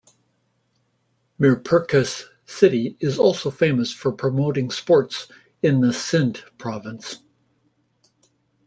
Mirpurkhas city is also famous for promoting sports in the Sindh province.